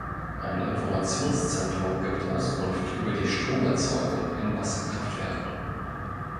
Ein Informationszentrum gibt Auskunft über die Stromerzeugung in Wasserkraftwerken.